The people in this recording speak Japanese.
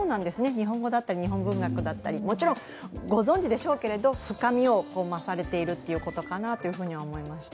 日本語だったり日本文学だったり、もちろんご存じでしょうけれども、深みを増されているということかなと思いました。